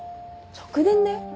直電だよ？